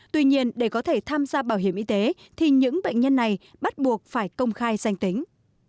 tuy nhiên để có thể tham gia bảo hiểm y tế thì những bệnh nhân này bắt buộc phải công khai danh tính